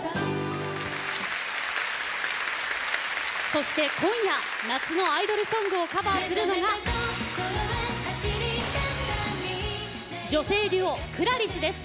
そして今夜、夏のアイドルソングをカバーするのが女性デュオＣｌａｒｉＳです。